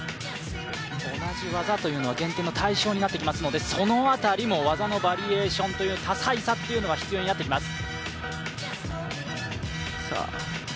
同じ技というのは減点の対象になってきますので、そのあたりも技のバリエーションの多彩さというのが必要になってきます。